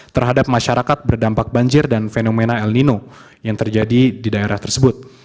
terhadap masyarakat berdampak banjir dan fenomena el nino yang terjadi di daerah tersebut